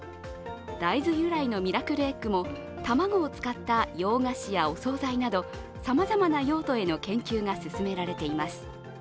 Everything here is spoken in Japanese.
大豆由来のミラクルエッグも、卵を使った洋菓子やお総菜などさまざまな用途への研究が進められています。